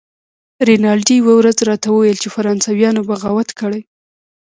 رینالډي یوه ورځ راته وویل چې فرانسویانو بغاوت کړی.